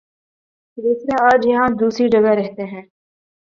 دوسرے آج یہاں دوسری جگہ رہتے ہیں